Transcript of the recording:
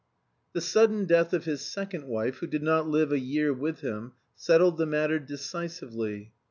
The sudden death of his second wife, who did not live a year with him, settled the matter decisively.